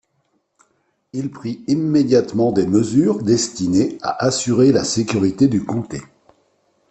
Il prit immédiatement des mesures destinées à assurer la sécurité du comté.